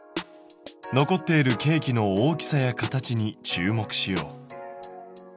残っているケーキの大きさや形に注目しよう。